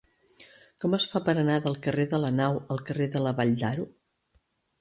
Com es fa per anar del carrer de la Nau al carrer de la Vall d'Aro?